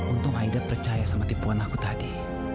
untung aida percaya sama tipuan aku tadi